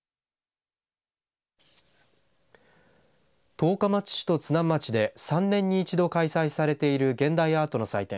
十日町市と津南町で３年に１度開催されている現代アートの祭典